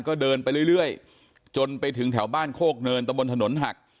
ก็เดินไปเรื่อยจนไปถึงแถวบ้านโคกเนินตะบนถนนหัก